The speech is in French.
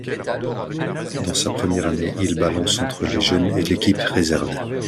Dans sa première année, il balance entre les jeunes et l'équipe réserve.